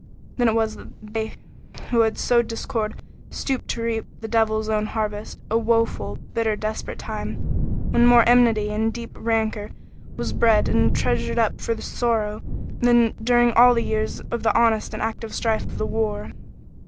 Then it was that they who had sowed discord stooped to reap the Devil's own harvest, a woeful, bitter, desperate time, when more enmity and deep rancor was bred and treasured up for future sorrow than during all the years of the honest and active strife of the war.